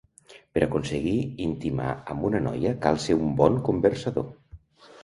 Per aconseguir intimar amb una noia cal ser un bon conversador.